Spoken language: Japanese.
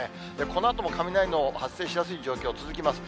このあとも雷の発生しやすい状況続きます。